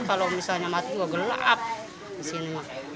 kalau misalnya mati juga gelap di sini